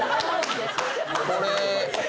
これ。